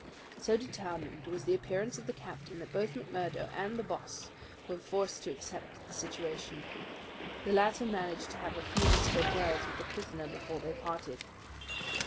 So determined was the appearance of the captain that both McMurdo and his boss were forced to accept the situation. The latter managed to have a few whispered words with the prisoner before they parted.